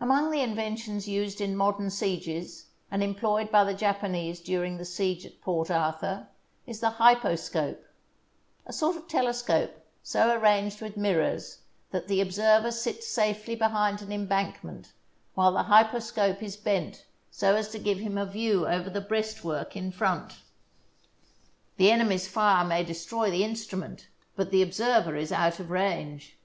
Among the inventions used in modern sieges and employed by the Japanese during the siege at Port Arthur, is the hyposcope, a sort of telescope so arranged with mirrors that the observer sits safely behind an embankment while the hyposcope is bent so as to give him a view over the breastwork in front. The enemy's fire may destroy the instru ment, but the observer is out of range.